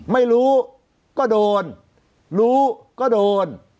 ไม่รู้ก็โดนรู้ก็โดน